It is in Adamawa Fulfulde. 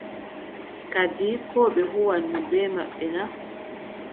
Kadi koo ɓe kuwanno bee maɓɓe na ?